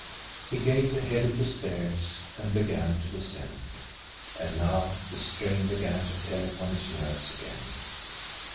He gained the head of the stairs and began to descend and now the strain began to tell upon his nerves again.